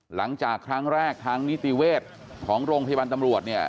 หลังจากครั้งแรกทางนิติเวชของโรงพยาบาลตำรวจเนี่ย